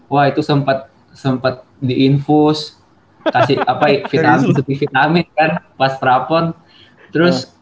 ini tuh sempet sempet di infus kasih apa ya tidak bisa di vitamin kan pas prapon terus